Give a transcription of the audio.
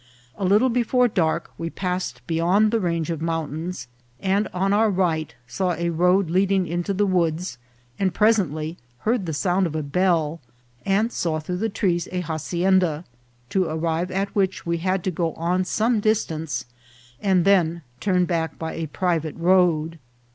A little before dark we passed beyond the range of mountains, and on our right saw a road leading into the woods, and pres ently heard the sound of a bell, and saw through the trees a hacienda, to arrive at which we had to go on some distance, and then turn back by a private road.